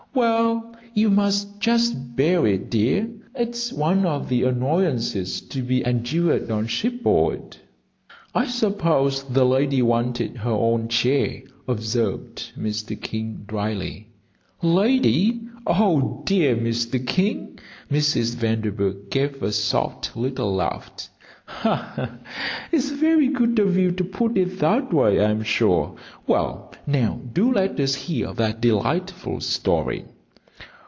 "Well, you must just bear it, dear; it's one of the annoyances to be endured on shipboard." "I suppose the lady wanted her own chair," observed Mr. King, dryly. "Lady? Oh, my dear Mr. King!" Mrs. Vanderburgh gave a soft little laugh. "It's very good of you to put it that way, I'm sure. Well, now do let us hear that delightful story.